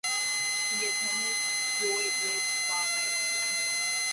He attended Droitwich Spa High School.